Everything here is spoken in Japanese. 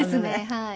はい。